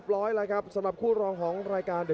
โอ้โหไม่พลาดกับธนาคมโด้แดงเขาสร้างแบบนี้